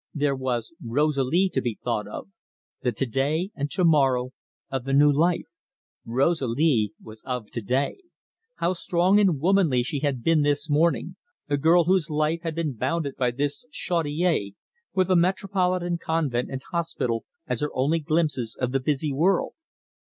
There was Rosalie to be thought of, the to day and to morrow of the new life. Rosalie was of to day. How strong and womanly she had been this morning, the girl whose life had been bounded by this Chaudiere, with a metropolitan convent and hospital as her only glimpses of the busy world.